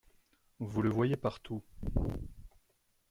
Vous le voyez partout…